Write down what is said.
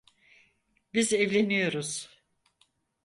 Biz evleniyoruz.